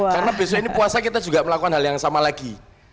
karena besok ini puasa kita juga melakukan hal yang sama lagi